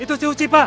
itu si uci pak